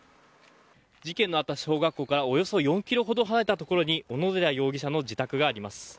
事件のあった小学校からおよそ４ｋｍほど離れたところに小野寺容疑者の自宅があります。